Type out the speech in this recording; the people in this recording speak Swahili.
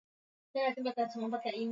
Kulala kuamka ni kwa neema.